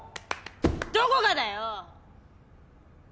どこがだよ！